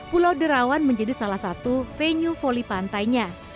pulau derawan menjadi salah satu venue voli pantainya